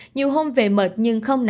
nhiều hôm về mệt nhưng không đợi